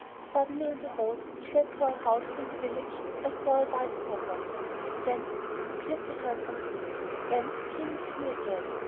Suddenly on the road which led to our house from the village, I saw a white sunbonnet. Then it disappeared behind some trees, then it came in view again.